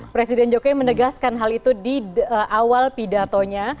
presiden jokowi menegaskan hal itu di awal pidatonya